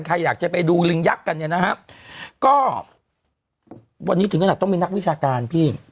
ใครอยากจะไปดูลิงยักษ์กันเนี่ยนะฮะก็วันนี้ถึงขนาดต้องมีนักวิชาการพี่